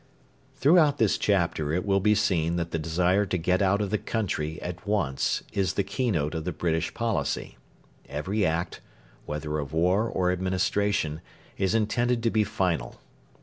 Throughout this chapter it will be seen that the desire to get out of the country at once is the keynote of the British policy. Every act, whether of war or administration, is intended to be final.